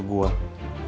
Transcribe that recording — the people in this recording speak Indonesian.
sampai jumpa lagi